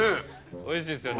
おいしいですよね。